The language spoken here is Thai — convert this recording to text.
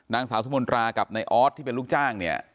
นางสาวสุมนตรากับนายออสที่เป็นลูกจ้างเนี่ย